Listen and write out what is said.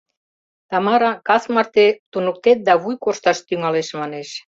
Тамара кас марте туныктет да вуй коршташ тӱҥалеш манеш.